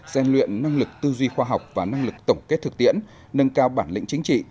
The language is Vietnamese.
gian luyện năng lực tư duy khoa học và năng lực tổng kết thực tiễn nâng cao bản lĩnh chính trị